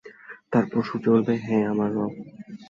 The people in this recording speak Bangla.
তারপর সূর্য বলবে, হে আমার রব!